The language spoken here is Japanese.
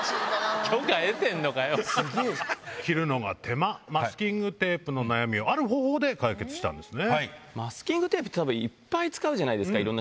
切るのが手間マスキングテープの悩みをある方法で解決したんですね。